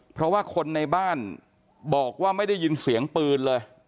เพราะว่าคนในบ้านบอกว่าไม่ได้ยินเสียงปืนเลย